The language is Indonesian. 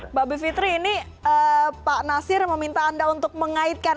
mbak bivitri ini pak nasir meminta anda untuk mengaitkan